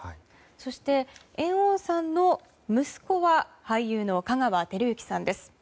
そして、猿翁さんの息子は俳優の香川照之さんです。